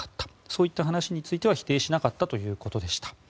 そういった話については否定しなかったということでした。